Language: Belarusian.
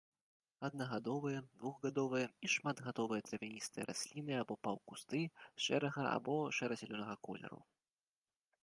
Аднагадовыя, двухгадовыя і шматгадовыя травяністыя расліны або паўкусты, шэрага або шэра-зялёнага колеру.